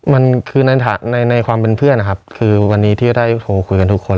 มันคือในความเป็นเพื่อนนะครับคือวันนี้ที่ได้โทรคุยกันทุกคน